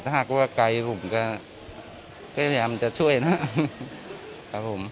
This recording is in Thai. ถ้าหากว่าไกลผมก็พยายามจะช่วยนะครับผม